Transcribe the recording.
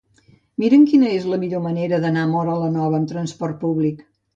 Mira'm quina és la millor manera d'anar a Móra la Nova amb trasport públic.